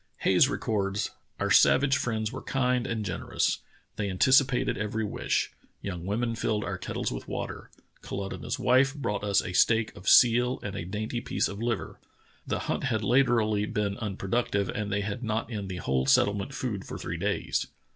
Hayes records: *'Our savage friends were kind and generous. They anticipated every wish. Young women filled our kettles with water. Kalutunah's wife brought us a steak of seal and a dainty piece of liver. The hunt had latterl}^ been unproductive, and they had not in the whole settlement food for three days.